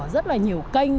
rất là nhiều kênh